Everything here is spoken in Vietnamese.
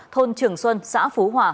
thôn trường xuân xã phú hòa